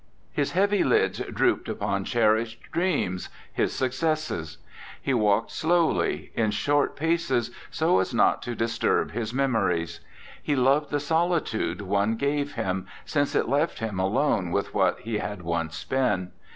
His heavy lids drooped upon cher ished dreams: his successes; he walked slowly, in short paces, so as not to dis turb his memories; he loved the solitude one gave him, since it left him alone with what he had once been.